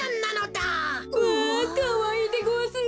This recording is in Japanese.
うわかわいいでごわすな！